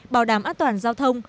bảo đảm an toàn giao thông